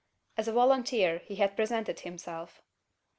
As a volunteer he had presented himself!